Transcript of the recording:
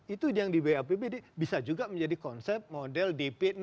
itu yang di bapbd bisa juga menjadi konsep model dp enam